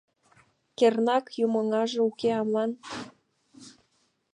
Кернак юмоҥаже уке аман?!.